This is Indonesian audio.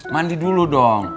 mandi dulu dong